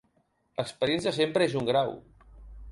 L'experiència sempre és un grau.